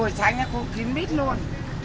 cuối tháng khu kín mít luôn